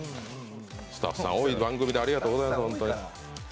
スタッフさん多い番組でありがとうございます。